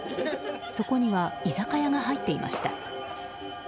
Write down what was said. そこには居酒屋が入っていました。